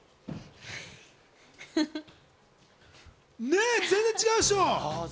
ねっ、全然違うっしょ。